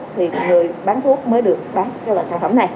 thì người bán thuốc mới được bán